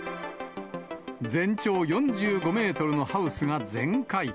全長４５メートルのハウスが全壊。